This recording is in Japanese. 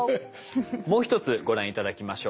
もう一つご覧頂きましょう。